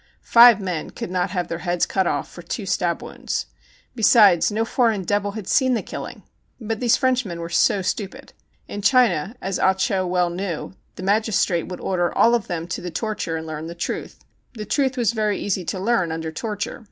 Five men could not have their heads cut off for two stab wounds. Be sides, no foreign devil had seen the killing. But these Frenchmen vvere so stupid. In China, as Ah Cho well knew, the magistrate would order all of them to the torture and learn the truth. The truth was very easy to learn under torture.